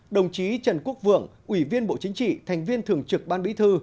đồng chí trần quốc vượng ủy viên bộ chính trị thành viên thường trực ban bí thư